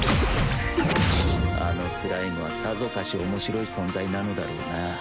あのスライムはさぞかし面白い存在なのだろうな